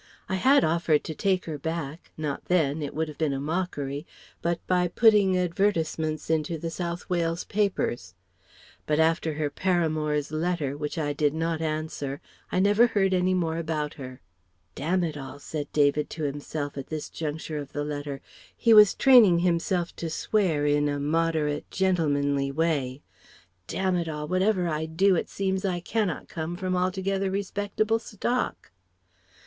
I had offered to take her back not then it would have been a mockery but by putting advertisements into the South Wales papers. But after her paramour's letter which I did not answer I never heard any more about her.... ["Damn it all," said David to himself at this juncture of the letter he was training himself to swear in a moderate, gentlemanly way "Damn it all! Whatever I do, it seems I cannot come from altogether respectable stock."...